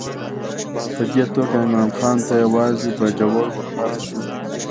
په دې توګه عمرا خان ته یوازې باجوړ ورپاته شو.